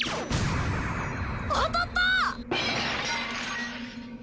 当たった！